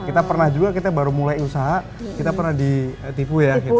kita pernah juga kita baru mulai usaha kita pernah ditipu ya gitu